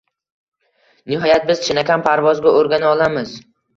Nihoyat biz chinakam parvozga o‘rgana olamiz!»